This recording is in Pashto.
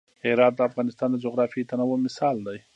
هرات د افغانستان د جغرافیوي تنوع مثال دی.